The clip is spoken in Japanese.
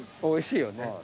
おいしいよね。